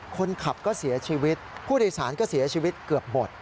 คนขับก็เสียชีวิตผู้โดยสารก็เสียชีวิตเกือบหมด